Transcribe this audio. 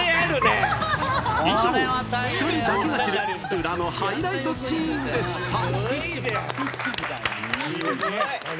以上、２人だけが知る裏のハイライトシーンでした。